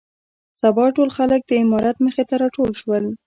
سبا ټول خلک د امارت مخې ته راټول شول.